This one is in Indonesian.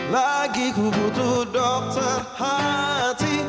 lagi ku butuh dokter hati